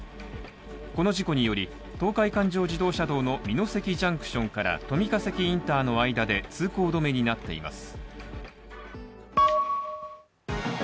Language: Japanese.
この事故により東海環状自動車道の美濃関ジャンクションから富加関インターの間で通行止めになっています